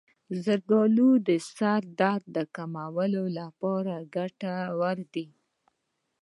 زردآلو د سر درد کمولو لپاره ګټور دي.